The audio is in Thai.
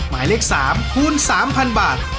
หมายเลข๓คูณ๓๐๐บาท